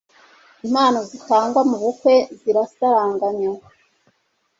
impano zitangwa mu bukwe zisaranganywa,'